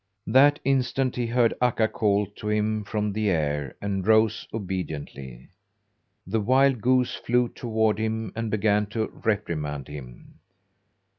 That instant he heard Akka call to him from the air, and rose obediently. The wild goose flew toward him and began to reprimand him.